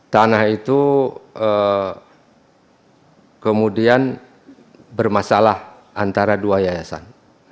tanah itu kemudian bermasalah antara dua yayasan